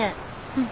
うん。